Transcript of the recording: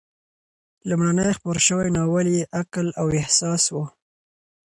لومړنی خپور شوی ناول یې "عقل او احساس" و.